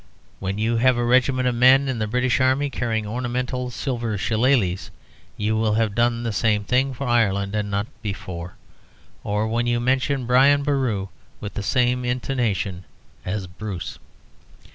When you have a regiment of men in the British Army carrying ornamental silver shillelaghs you will have done the same thing for Ireland, and not before or when you mention Brian Boru with the same intonation as Bruce.